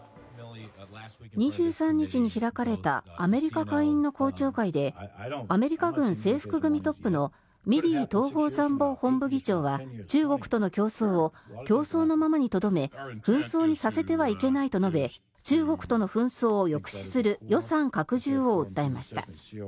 ２３日に開かれたアメリカ下院の公聴会でアメリカ軍制服組トップのミリー統合参謀本部議長は中国との競争を競争のままにとどめ紛争にさせてはいけないと述べ中国との紛争を抑止する予算拡充を訴えました。